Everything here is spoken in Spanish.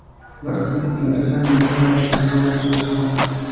Las competiciones se realizaron en las aguas del río Saona.